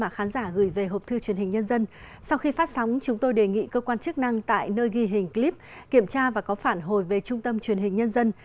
sau khi phát sóng chúng tôi đề nghị cơ quan chức năng tại nơi ghi hình clip kiểm tra và có phản hồi về trung tâm truyền hình nhân dân